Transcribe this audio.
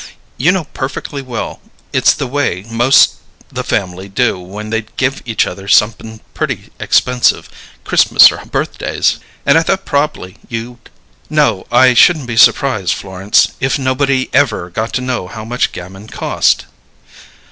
You know perfeckly well it's the way most the fam'ly do when they give each other somep'n pretty expensive, Christmas or birthdays, and I thought proba'ly you'd " "No. I shouldn't be surprised, Florence, if nobody ever got to know how much Gamin cost."